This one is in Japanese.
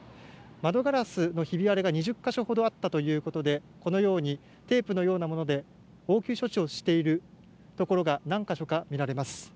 窓ガラスのひび割れが２０か所ほどあったということでこのようにテープのようなもので応急処置をしているところが何か所か見られます。